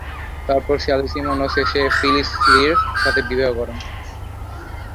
তারপর Sally Simon ও শেষে ফিলিস লির সাথে বিবাহ করেন।